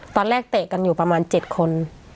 ตอนแรกเตะกันอยู่ประมาณ๗คน